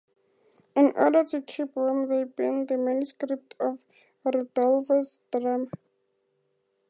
In order to keep warm, they burn the manuscript of Rodolfo's drama.